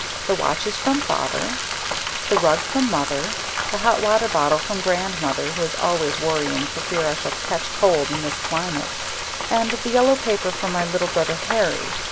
The watch is from father, the rug from mother, the hot water bottle from grandmother who is always worrying for fear I shall catch cold in this climate and the yellow paper from my little brother Harry.